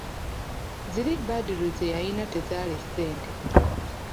Ziri Badru ze yalina tezaali ssente.